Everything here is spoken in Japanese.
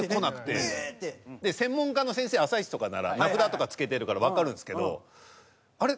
で専門家の先生『あさイチ』とかなら名札とかつけてるからわかるんですけどあれ？